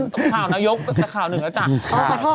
ข่าวนายกแต่ข่าวหนึ่งแล้วจ้ะ